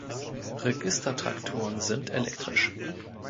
Registertrakturen sind elektrisch.